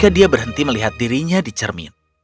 ketika dia berhenti melihat dirinya di cermin